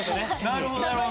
なるほどなるほど。